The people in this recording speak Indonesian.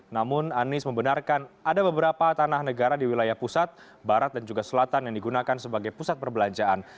namun anies membenarkan ada beberapa tanah negara di wilayah pusat barat dan juga selatan yang digunakan sebagai pusat perbelanjaan